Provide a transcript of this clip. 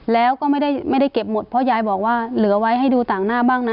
แล้วก็ไม่ได้เก็บหมดเพราะยายบอกว่าเหลือไว้ให้ดูต่างหน้าบ้างนะ